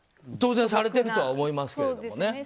当然されてるとは思いますけどね。